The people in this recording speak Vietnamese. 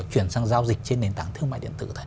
chuyển sang giao dịch trên nền tảng thương mại điện tử